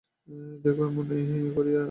দেখো, এমনি করিয়া সেলাম করো।